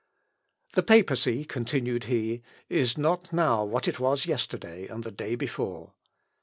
"The papacy," continued he, "is not now what it was yesterday and the day before.